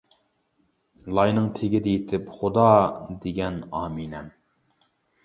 لاينىڭ تېگىدە يېتىپ «خۇدا! » دېگەن ئامىنەم!